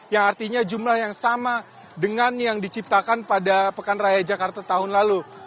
yang artinya jumlah yang sama dengan yang diciptakan pada pekan raya jakarta tahun lalu